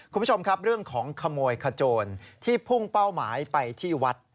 คุณผู้ชมครับเรื่องของขโมยขโจรที่พุ่งเป้าหมายไปที่วัด